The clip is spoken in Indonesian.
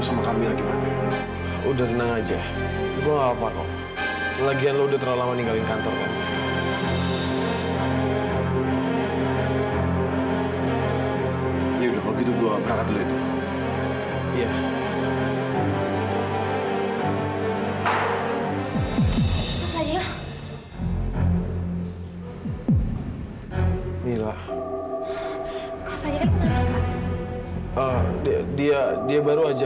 sampai jumpa di video selanjutnya